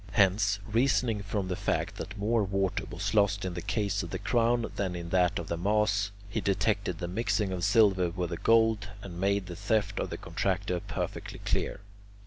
Hence, reasoning from the fact that more water was lost in the case of the crown than in that of the mass, he detected the mixing of silver with the gold, and made the theft of the contractor perfectly clear.